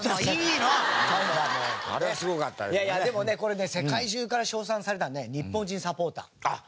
いやいやでもねこれね世界中から称賛されたのはね日本人サポーター。